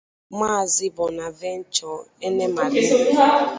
Maazị Bonaventure Enemali.